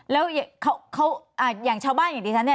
แล้วเขาเขาอ่าอย่างชาวบ้านอย่างดิฉันเนี้ย